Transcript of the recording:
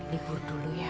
libur dulu ya